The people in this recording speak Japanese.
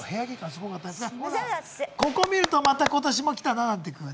ここ見るとまた今年も来たななんて感じ。